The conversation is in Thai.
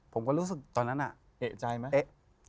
ผมก็รู้สึกตอนนั้นเอ๊ะใจไหม